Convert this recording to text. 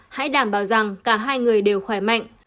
hãy đảm bảo rằng cả hai người đều khỏe mạnh